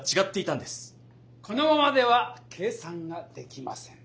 このままでは計算ができません。